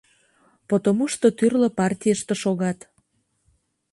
Потомушто тӱрлӧ партийыште шогат.